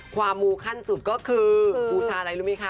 ความมูลขั้นสุดคืออุตสะอะไรรู้ไหมคะ